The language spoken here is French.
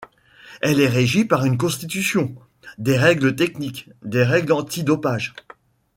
Elle est régie par une constitution, des règles techniques, des règles anti-dopage.